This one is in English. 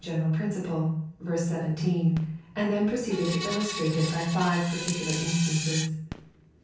general principle (v. 17), and then proceeded to illnetrate it by five particular instances.